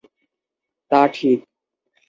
তা ঠিক।